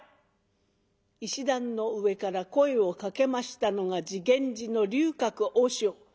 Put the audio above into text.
石段の上から声をかけましたのが示現寺の隆覚和尚。